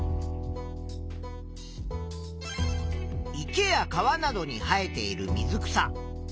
池や川などに生えている水草。